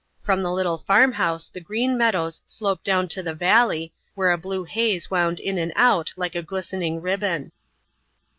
From the little farmhouse the green meadows sloped down to the valley, where a blue haze wound in and out like a glistening ribbon.